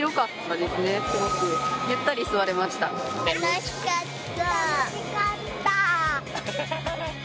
楽しかった。